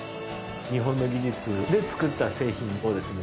日本の技術で作った製品をですね